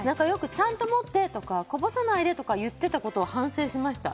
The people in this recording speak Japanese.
ちゃんと持って、こぼさないでって言ってたことを反省しました。